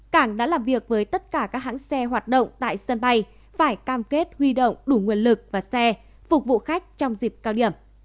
cảng đã làm việc với tất cả các hãng xe hoạt động tại sân bay phải cam kết huy động đủ nguồn lực và xe phục vụ khách trong dịp cao điểm